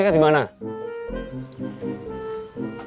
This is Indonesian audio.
di pinggir jalan mas